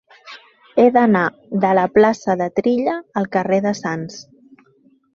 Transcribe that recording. He d'anar de la plaça de Trilla al carrer de Sants.